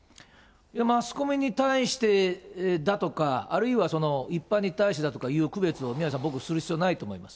マスコミに対してだとか、あるいはその一般に対してだとかいう区別を宮根さん、僕はする必要はないと思います。